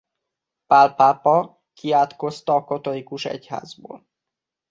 Pál pápa kiátkozta a katolikus egyházból.